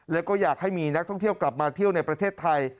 แล้วก็อยากให้มีนักท่องเที่ยวกลับมาเที่ยวในประเทศไทย